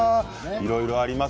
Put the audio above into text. いろいろあります。